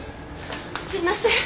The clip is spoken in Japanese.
すいません！